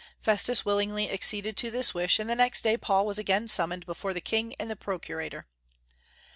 Festus willingly acceded to this wish, and the next day Paul was again summoned before the king and the procurator.